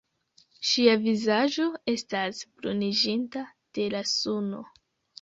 Ŝia vizaĝo estas bruniĝinta de la suno.